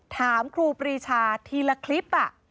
ถามครูปีชาทีละคลิป